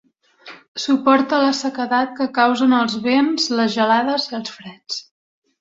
Suporta la sequedat que causen els vents, les gelades i els freds.